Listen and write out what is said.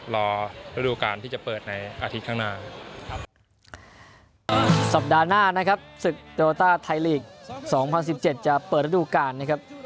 รอฤดูการที่จะเปิดในอาทิตย์ข้างหน้าครับครับสัปดาห์หน้านะครับ